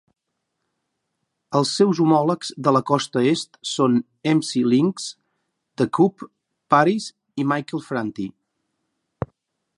Els seus homòlegs de la Costa Est són Emcee Lynx, The Coup, Paris i Michael Franti.